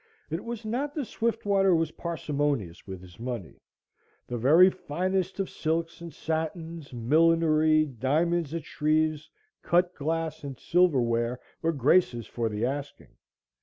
It was not that Swiftwater was parsimonious with is money the very finest of silks and satins, millinery, diamonds at Shreve's, cut glass and silverware, were Grace's for the asking.